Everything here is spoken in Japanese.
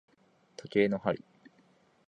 時計の針